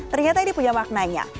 ternyata ini punya maknanya